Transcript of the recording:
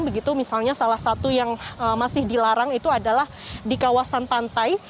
begitu misalnya salah satu yang masih dilarang itu adalah di kawasan pantai